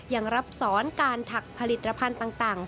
ยังรับสอนการถักผลิตภัณฑ์ต่าง